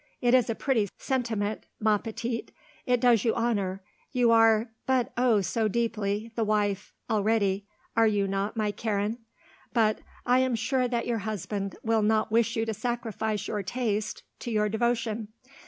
"It is a pretty sentiment, ma petite, it does you honour; you are but oh! so deeply the wife, already, are you not, my Karen? but I am sure that your husband will not wish you to sacrifice your taste to your devotion.